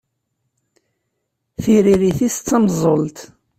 Tiririt-is d tameẓẓult.